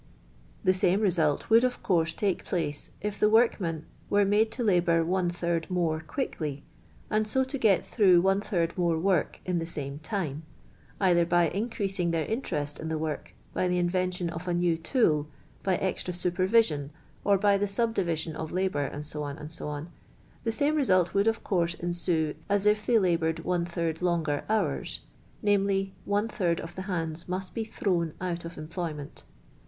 The same result would, of course, take place, if the workman were made to labour one third more quickly f and so to get through one third more work in the same time (either by increasing their interest in their work, by the invention of a new tool, by extra supervision, or by the subdivision of labour, &c., &c.), the same result would, of course, ensue as if they laboured one third longer hours, viz., one third of the hands must be thrown out of employment.